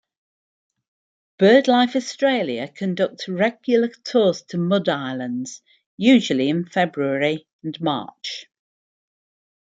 BirdLife Australia conduct regular tours to Mud Islands, usually in February and March.